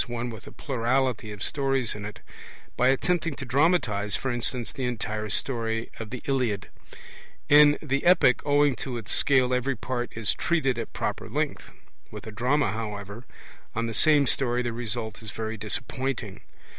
one with a plurality of stories in it), by attempting to dramatize, for instance, the entire story of the Iliad. In the epic owing to its scale every part is treated at proper length; with a drama, however, on the same story the result is very disappointing.